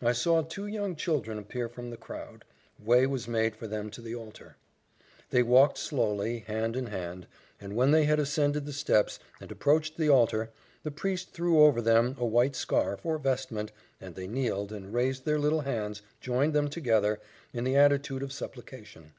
I saw two young children appear from the crowd: way was made for them to the altar. They walked slowly, hand in hand, and when they had ascended the steps, and approached the altar, the priest threw over them a white scarf, or vestment, and they kneeled, and raising their little hands, joined them together, in the attitude of supplication.